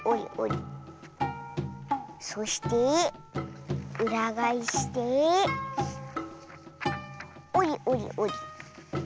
そしてうらがえしておりおりおり。